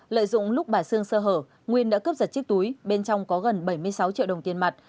lợi dụng lúc bà sương sơ hở nguyên đã cướp giật chiếc túi bên trong có gần bảy mươi sáu triệu đồng tiền mặt